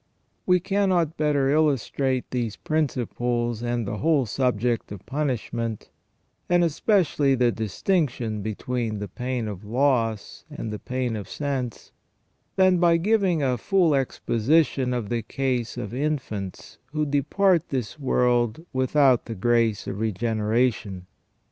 We cannot better illustrate these principles, and the whole subject of punishment, and especially the distinction between the pain of loss and the pain of sense, than by giving a full exposition of the case of infants who depart this world without the grace of regeneration.